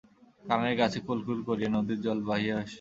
কানের কাছে কুল কুল করিয়া নদীর জল বহিয়া আসিতেছে।